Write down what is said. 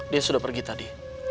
dia sudah pergi tadi